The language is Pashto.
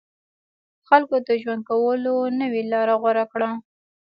خلکو د ژوند کولو نوې لاره غوره کړه.